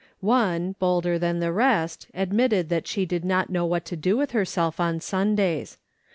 One, bolder than the rest, admitted that she did not know what to do with herself on Sundays.